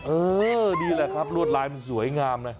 เออนี่แหละครับรวดลายมันสวยงามนะ